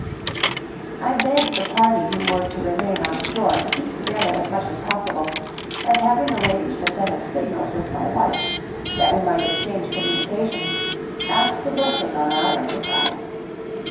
I begged the party who were to remain on shore to keep together as much as possible, and having arranged a set of signals with my wife, that we might exchange communications, asked a blessing on our enterprise.